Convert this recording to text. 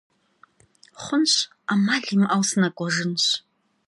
Xhunş, 'emal 'imıeu sınek'uenş.